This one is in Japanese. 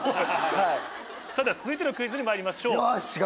さて続いてのクイズにまいりましょう。